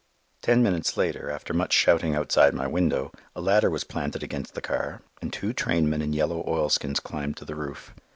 Ten minutes later, after much shouting outside my window, a ladder was planted against the car, and two trainmen in yellow oilskins climbed to the roof.